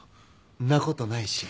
んなことないし。